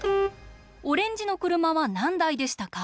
オレンジの車はなんだいでしたか？